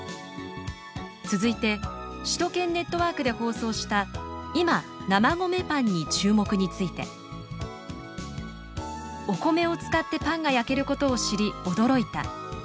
続いて首都圏ネットワークで放送した「いま生米パンに注目」について「お米を使ってパンが焼けることを知り驚いた」